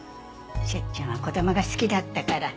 セッちゃんは子供が好きだったから。